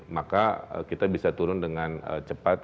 maka kita bisa turun dengan cepat